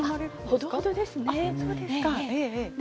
ほどほどですね。